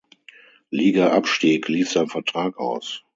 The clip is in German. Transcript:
Liga abstieg, lief sein Vertrag aus.